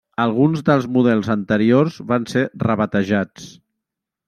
Alguns dels models anteriors van ser rebatejats.